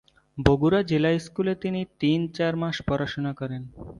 বগুড়া জিলা স্কুলে তিনি তিন-চার মাস পড়াশুনা করেন।